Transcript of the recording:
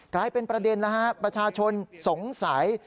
กลายเป็นประเด็นแล้วฮะประชาชนสงสัย